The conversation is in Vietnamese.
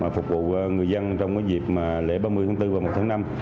phục vụ người dân trong dịp lễ ba mươi tháng bốn và một tháng năm